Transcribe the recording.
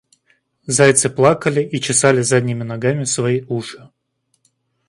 Зайцы плакали и чесали задними ногами свои уши.